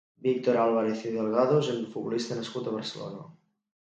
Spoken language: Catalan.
Víctor Álvarez i Delgado és un futbolista nascut a Barcelona.